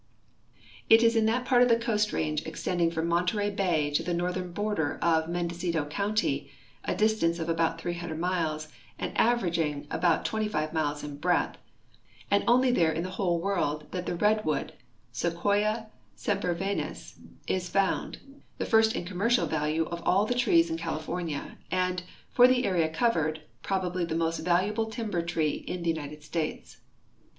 It is in that part of the Coast range extending from Monterey bay to the northern border of Mendocino county (a distance of about 300 miles and averaging about 25 miles in breadth) and only there in the whole world that the redwood, sequoia semper virens, is found, the first in commercial value of all the trees in California and, for the area covered, ])robably the most valuable timber tree in the United States.